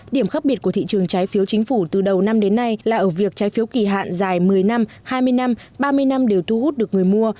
điểm khác biệt của thị trường trái phiếu chính phủ từ đầu năm đến nay là ở việc trái phiếu kỳ hạn dài một mươi năm hai mươi năm ba mươi năm đều thu hút được người mua